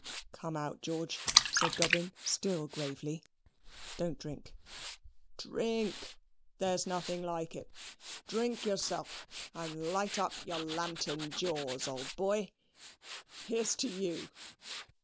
"Come out, George," said Dobbin, still gravely; "don't drink." "Drink! there's nothing like it. Drink yourself, and light up your lantern jaws, old boy. Here's to you."